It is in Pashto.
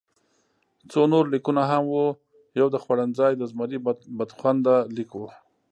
څو نور لیکونه هم وو، یو د خوړنځای د زمري بدخونده لیک وو.